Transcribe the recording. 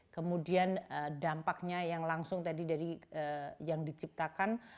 kemudian dampaknya yang langsung tadi dari yang diciptakan